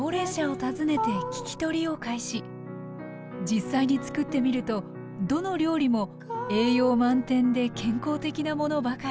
実際につくってみるとどの料理も栄養満点で健康的なものばかり。